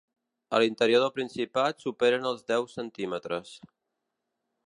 A l’interior del Principat superen els deu centímetres.